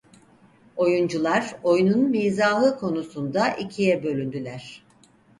Oyuncular oyunun mizahı konusunda ikiye bölündüler.